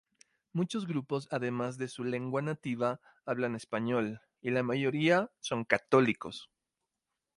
Muchos grupos, además de su lengua nativa, hablan español y la mayoría son católicos.